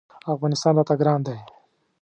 افغانستان راته ګران دی.